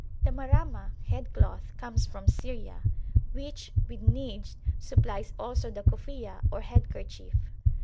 The Mahramah (head cloth) comes from Syria; which, with Nijd, supplies also the Kufiyah or headkerchief.